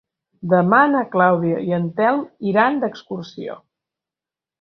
Demà na Clàudia i en Telm iran d'excursió.